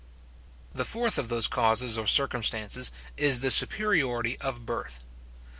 The fourth of those causes or circumstances, is the superiority of birth.